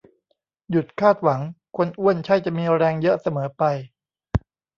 หยุดคาดหวัง คนอ้วนใช่จะมีแรงเยอะเสมอไป